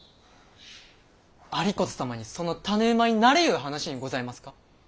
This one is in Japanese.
有功様にその種馬になれいう話にございますか。